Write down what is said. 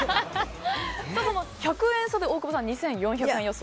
１００円差で大久保さん２４００円予想。